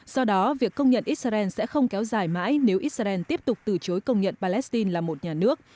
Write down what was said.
do đó việc công nhận israel sẽ không kéo dài mãi nếu israel tiếp tục từ chối công nhận palestine là một nhà nước